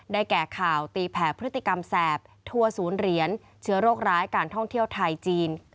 แก่ข่าวตีแผ่พฤติกรรมแสบทัวร์ศูนย์เหรียญเชื้อโรคร้ายการท่องเที่ยวไทยจีน